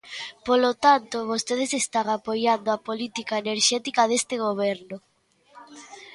Polo tanto, vostedes están apoiando a política enerxética deste goberno.